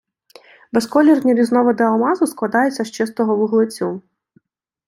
Безколірні різновиди алмазу складаються з чистого вуглецю.